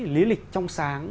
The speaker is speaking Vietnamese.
lý lịch trong sáng